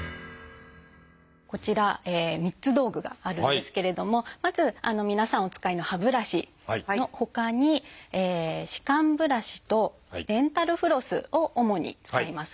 こちら３つ道具があるんですけれどもまず皆さんお使いの歯ブラシのほかに歯間ブラシとデンタルフロスを主に使います。